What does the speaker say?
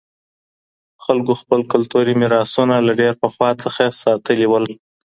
خلګو خپل کلتوري ميراثونه له ډېر پخوا څخه ساتلي وو.